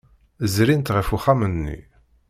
Zrint ɣef uxxam-nni.